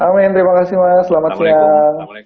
amin terima kasih mas selamat siang